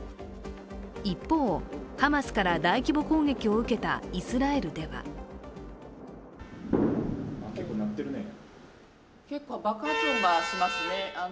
一方、ハマスから大規模攻撃を受けたイスラエルでは結構爆発音がしますね。